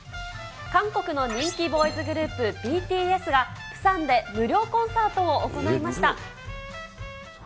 韓国の人気ボーイズグループ、ＢＴＳが、プサンで無料コンサートを行いました。